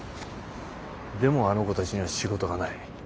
でもあの子たちには仕事がない。